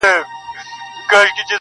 خو دې به سمعې څو دانې بلــــي كړې.